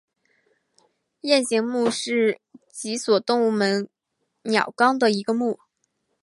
雁形目是脊索动物门鸟纲的一个目。